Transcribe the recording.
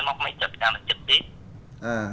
thì sau này mình mới móc máy chụp ra mà chụp đi